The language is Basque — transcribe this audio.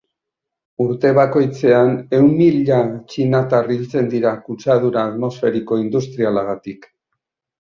Urte bakoitzean, ehun mila txinatar hiltzen dira kutsadura atmosferiko industrialagatik.